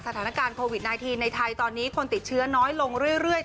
สถานการณ์โควิด๑๙ในไทยตอนนี้คนติดเชื้อน้อยลงเรื่อย